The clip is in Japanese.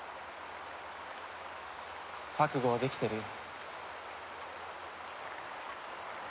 覚悟はできてるよ。